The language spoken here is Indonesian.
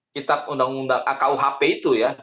kitab undang undang kuhp itu ya